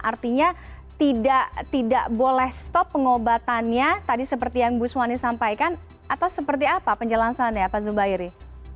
artinya tidak boleh stop pengobatannya tadi seperti yang bu swani sampaikan atau seperti apa penjelasannya pak zubairi